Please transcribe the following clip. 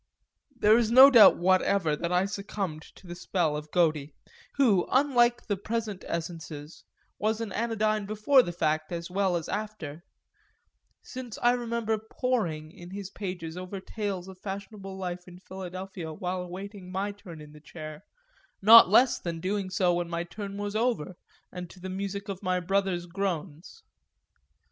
There is no doubt whatever that I succumbed to the spell of Godey, who, unlike the present essences, was an anodyne before the fact as well as after; since I remember poring, in his pages, over tales of fashionable life in Philadelphia while awaiting my turn in the chair, not less than doing so when my turn was over and to the music of my brother's groans.